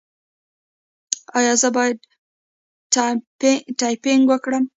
ایا زه باید ټایپینګ وکړم؟